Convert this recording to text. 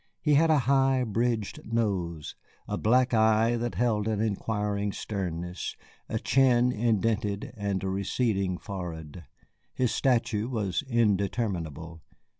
He had a high bridged nose, a black eye that held an inquiring sternness, a chin indented, and a receding forehead. His stature was indeterminable.